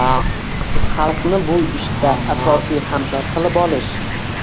xalqni bu ishda asosiy hamkor qilib olish